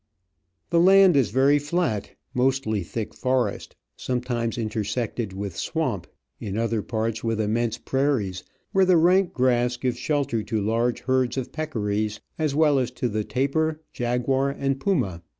The land is very flat, mostly thick forest, sometimes intersected with swamp, in other parts with immense prairies, where the rank grass gives shelter to large herds of peccaries as well as to the tapir, jaguar, and puma.